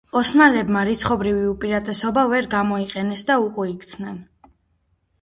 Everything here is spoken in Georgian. ოსმალებმა რიცხობრივი უპირატესობა ვერ გამოიყენეს და უკუიქცნენ.